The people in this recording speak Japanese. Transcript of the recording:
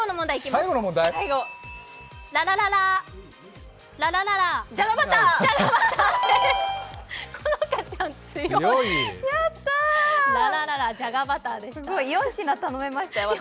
すごい、４品頼めましたよ、私。